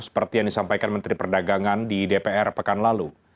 seperti yang disampaikan menteri perdagangan di dpr pekan lalu